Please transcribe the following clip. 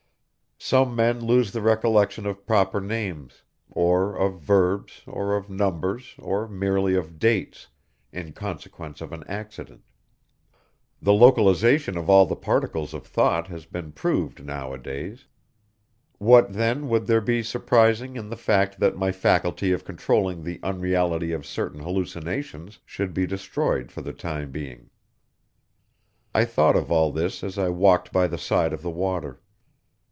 Some men lose the recollection of proper names, or of verbs or of numbers or merely of dates, in consequence of an accident. The localization of all the particles of thought has been proved nowadays; what then would there be surprising in the fact that my faculty of controlling the unreality of certain hallucinations should be destroyed for the time being! I thought of all this as I walked by the side of the water.